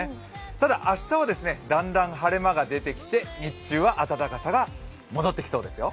ただ、明日はだんだん晴れ間が出てきて日中は暖かさが戻ってきそうですよ。